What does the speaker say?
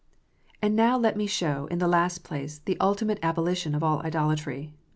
IV. And now let me show, in the last place, the ultimate abolition of all idolatry.